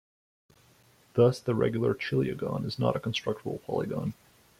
Thus the regular chiliagon is not a constructible polygon.